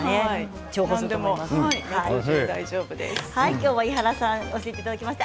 今日は井原さんに教えていただきました。